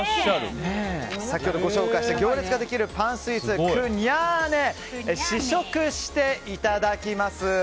先ほどご紹介した行列ができるパンスイーツクニャーネ試食していただきます。